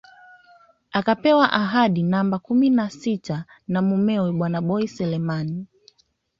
Akapewa kadi namba kumi na sita na mumewe bwana Boi Selemani